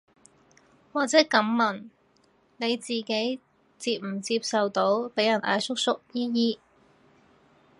或者噉問，你自己接唔接受到被人嗌叔叔姨姨